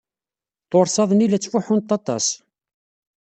Tursaḍ-nni la ttfuḥunt aṭas.